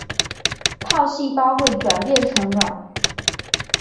套细胞会转变成卵。